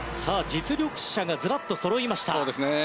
実力者がずらっとそろいました。